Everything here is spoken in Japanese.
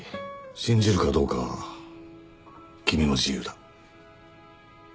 信じるかどうかは君の自由だ。